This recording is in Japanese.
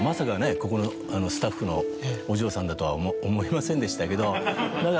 ここのスタッフのお嬢さんだとは思いませんでしたけど。